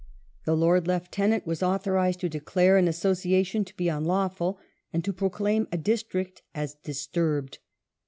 The Lord Lieutenant was authorized to declare an association to be unlawful," and to proclaim a district as '* disturbed